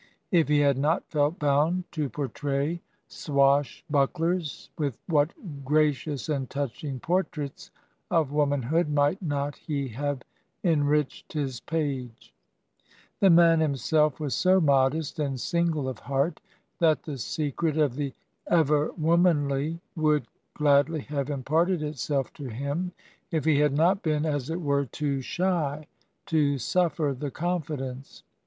If he had not felt bound to por tray swashbucklers, with what gracious and touching portraits of womanhood might not he have enriched his page I The man himself was so modest and single of heart that the secret of the ever womanly would glad ly have imparted itself to him if he had not been, as it were, too shy to suflFer the confidence.